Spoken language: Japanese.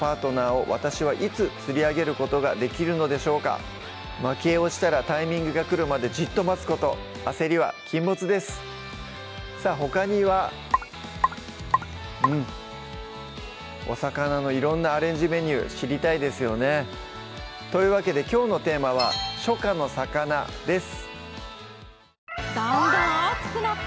早速いってみようまき餌をしたらタイミングが来るまでじっと待つこと焦りは禁物ですさぁほかにはうんお魚の色んなアレンジメニュー知りたいですよねというわけできょうのテーマは「初夏の魚」です